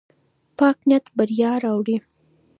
پاک نیت بریا راوړي.